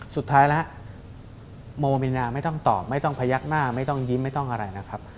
สุดท้ายแล้วโมมิญญาไม่ต้องตอบไม่ต้องพยักหน้าไม่ต้องยิ้มไม่ต้องอะไรนะครับ